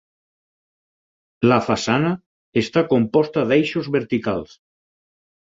La façana està composta d'eixos verticals.